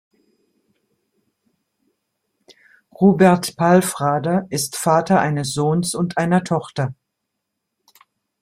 Robert Palfrader ist Vater eines Sohns und einer Tochter.